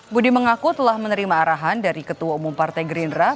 budi mengaku telah menerima arahan dari ketua umum partai gerindra